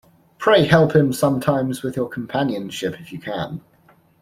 Pray help him sometimes with your companionship if you can.